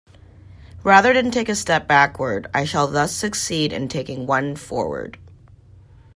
Rather than take a step backward I shall thus succeed in taking one forward.